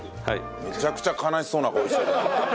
めちゃくちゃ悲しそうな顔してる。